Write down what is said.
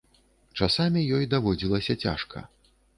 Часамі ёй даводзілася цяжка.